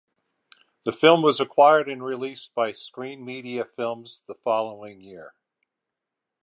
The film was acquired and released by Screen Media Films the following year.